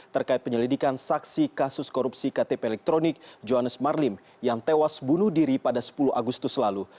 terkait penyelidikan saksi kasus korupsi ktp elektronik johannes marlim yang tewas bunuh diri pada sepuluh agustus lalu